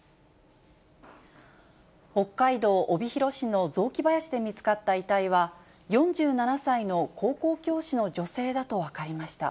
北海道帯広市の雑木林で見つかった遺体は、４７歳の高校教師の女性だと分かりました。